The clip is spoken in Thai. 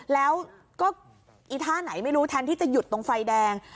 แล้วก็อีท่าไหนไม่รู้แทนที่จะหยุดตรงไฟแดง